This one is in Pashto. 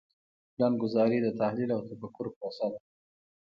پلانګذاري د تحلیل او تفکر پروسه ده.